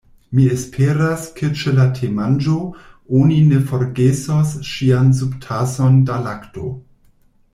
Mi esperas ke ĉe la temanĝo oni ne forgesos ŝian subtason da lakto.